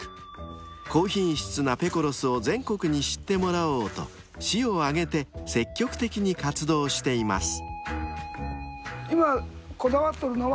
［高品質なペコロスを全国に知ってもらおうと市を挙げて積極的に活動しています］